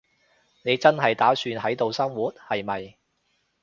你真係打算喺度生活，係咪？